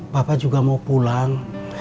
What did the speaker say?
papa juga mau pulang